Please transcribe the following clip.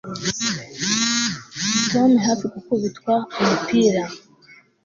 tom hafi gukubitwa umupira